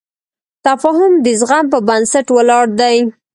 تفاهم د زغم په بنسټ ولاړ دی.